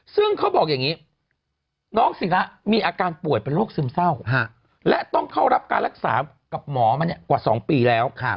ซึ่งเขาบอกอย่างนี้น้องศิระมีอาการป่วยเป็นโรคซึมเศร้าและต้องเข้ารับการรักษากับหมอมากว่า๒ปีแล้ว